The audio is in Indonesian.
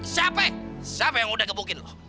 siapa siapa yang udah gebukin loh